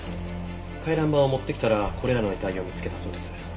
回覧板を持ってきたらこれらの遺体を見つけたそうです。